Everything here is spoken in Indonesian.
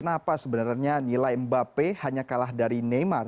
kenapa sebenarnya nilai mbappe hanya kalah dari neymar